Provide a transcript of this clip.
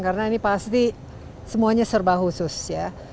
karena ini pasti semuanya serba khusus ya